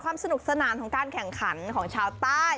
สนุกสนานของการแข่งขันของชาวใต้